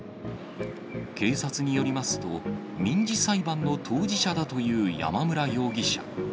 警察によりますと、民事裁判の当事者だという山村容疑者。